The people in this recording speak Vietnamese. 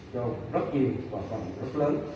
cho rất nhiều và còn rất lớn